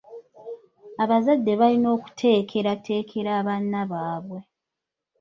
Abazadde balina okuteekerateekera abaana baabwe.